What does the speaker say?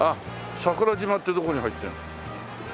桜島ってどこに入ってんの？